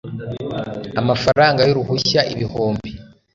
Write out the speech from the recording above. amafranga y' uruhushya ibihumbi